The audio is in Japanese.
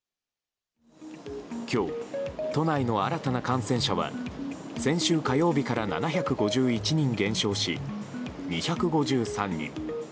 今日、都内の新たな感染者は先週火曜日から７５１人減少し、２５３人。